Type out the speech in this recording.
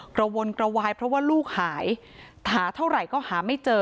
กระวนกระวายเพราะว่าลูกหายหาเท่าไหร่ก็หาไม่เจอ